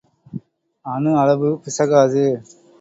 அணு அளவு பிசகாது.